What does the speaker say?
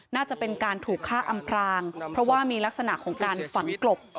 น่าจะเป็นการถูกฆ่าอำพรางเพราะว่ามีลักษณะของการฝังกลบ